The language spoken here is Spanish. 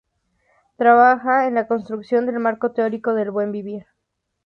Trabaja en la construcción del marco teórico del Buen Vivir.